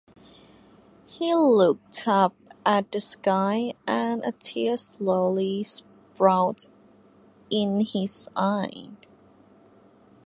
He looked up at the sky and a tear slowly sprouted in his eye.